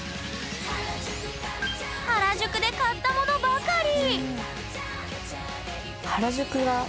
原宿で買ったものばかり！